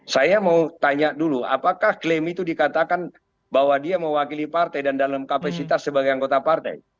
saya mau tanya dulu apakah klaim itu dikatakan bahwa dia mewakili partai dan dalam kapasitas sebagai anggota partai